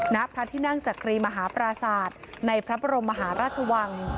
ณพระที่นั่งจักรีมหาปราศาสตร์ในพระบรมมหาราชวัง